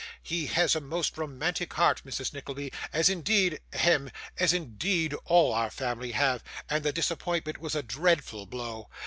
He has a most romantic heart, Mrs. Nickleby, as indeed hem as indeed all our family have, and the disappointment was a dreadful blow.